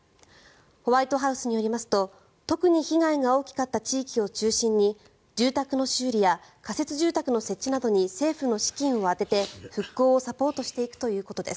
ホワイトハウスによりますと特に被害が大きかった地域を中心に住宅の修理や仮設住宅の設置などに政府の資金を充てて復興をサポートしていくということです。